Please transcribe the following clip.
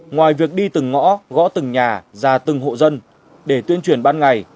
ngoài việc đi từng ngõ gõ từng nhà ra từng hộ dân để tuyên truyền ban ngày